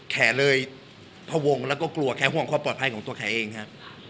แขเลยพวงแล้วก็กลัวแค่ห่วงความปลอดภัยของตัวแขเองฮะ